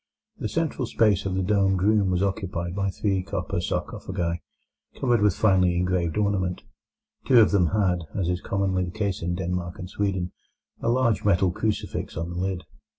The central space of the domed room was occupied by three copper sarcophagi, covered with finely engraved ornament. Two of them had, as is commonly the case in Denmark and Sweden, a large metal crucifix on the lid.